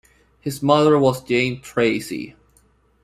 His mother was Jane Tracy.